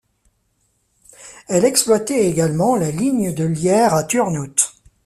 Elle exploitait également la ligne de Lierre à Turnhout.